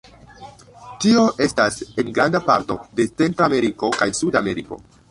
Tio estas en granda parto de Centrameriko kaj Sudameriko.